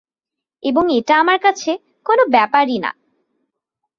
এবং এটা আমার কাছে কোনো ব্যাপারই না।